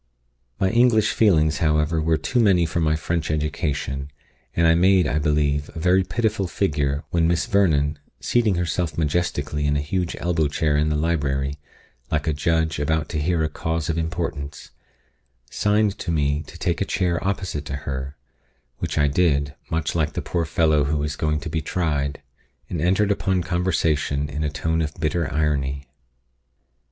_ My English feelings, however, were too many for my French education, and I made, I believe, a very pitiful figure, when Miss Vernon, seating herself majestically in a huge elbow chair in the library, like a judge about to hear a cause of importance, signed to me to take a chair opposite to her (which I did, much like the poor fellow who is going to be tried), and entered upon conversation in a tone of bitter irony.